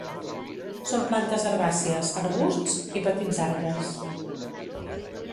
Són plantes herbàcies, arbusts i petits arbres.